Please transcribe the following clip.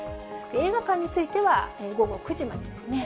映画館については午後９時までですね。